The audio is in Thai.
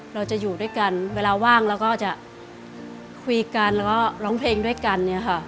เราจะอยู่ด้วยกันเวลาว่างแล้วก็จะคุยกันแล้วก็ร้องเพลงด้วยกัน